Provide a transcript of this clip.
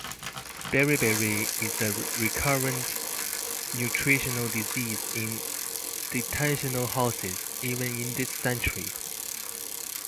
Beriberi is a recurrent nutritional disease in detention houses, even in this century.